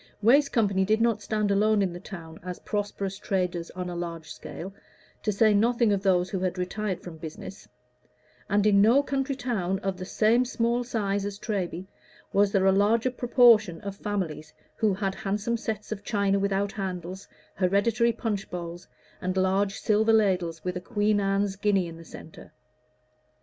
Wace & Co. did not stand alone in the town as prosperous traders on a large scale, to say nothing of those who had retired from business; and in no country town of the same small size as Treby was there a larger proportion of families who had handsome sets of china without handles, hereditary punch bowls, and large silver ladles with a Queen Anne's guinea in the centre.